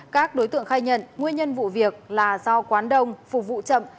các đối tượng khai nhận nguyên nhân vụ việc là do quán đông phục vụ chậm